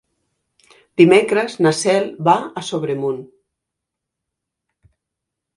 Dimecres na Cel va a Sobremunt.